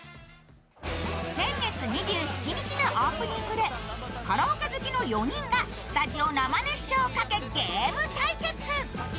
先月２７日のオープニングでカラオケ好きの４人がスタジオ生熱唱をかけゲーム対決。